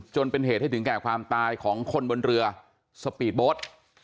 จนเป็นเหตุให้ถึงแก่ความตายของคนบนเรือสปีดโบ๊ท